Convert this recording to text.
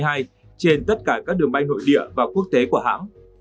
trên tất cả các đường bay nội địa và quốc tế của hãng